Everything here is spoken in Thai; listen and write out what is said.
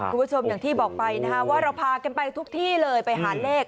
คุณผู้ชมอย่างที่บอกไปนะคะว่าเราพากันไปทุกที่เลยไปหาเลข